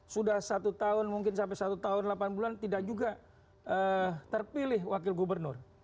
sudah satu tahun mungkin sampai satu tahun delapan bulan tidak juga terpilih wakil gubernur